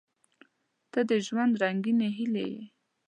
• ته د ژوند رنګینې هیلې یې.